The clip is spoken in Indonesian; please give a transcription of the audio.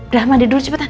udah mandi dulu cepetan